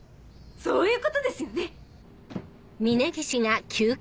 そういうことですよね！